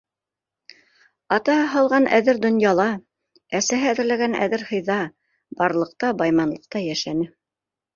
Атаһы һалған әҙер донъяла, әсәһе әҙерләгән әҙер һыйҙа - барлыҡта- байманлыҡта йәшәне.